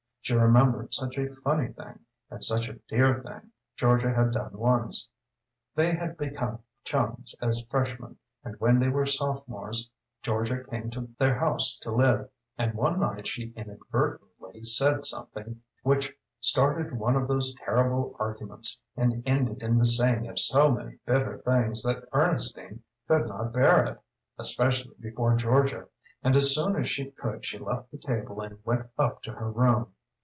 She remembered such a funny thing, and such a dear thing, Georgia had done once. They had become chums as freshmen and when they were sophomores Georgia came to their house to live, and one night she inadvertently said something which started one of those terrible arguments, and ended in the saying of so many bitter things that Ernestine could not bear it especially before Georgia, and as soon as she could she left the table and went up to her room.